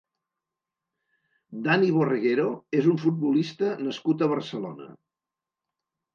Dani Borreguero és un futbolista nascut a Barcelona.